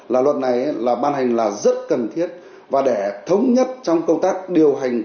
là luật này là ban hành là rất cần thiết và để thống nhất trong công tác điều hành